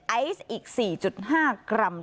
ไอซ์อีก๔๕กรัม